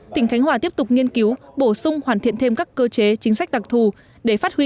tỉnh khánh hòa tiếp tục nghiên cứu bổ sung hoàn thiện thêm các cơ chế chính sách đặc thù để phát huy